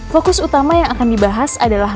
fokus utama yang akan dibahas adalah